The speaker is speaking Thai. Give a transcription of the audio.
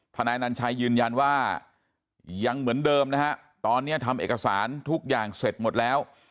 นายนัญชัยยืนยันว่ายังเหมือนเดิมนะฮะตอนนี้ทำเอกสารทุกอย่างเสร็จหมดแล้ว